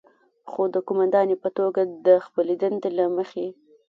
خو د قوماندانې په توګه د خپلې دندې له مخې،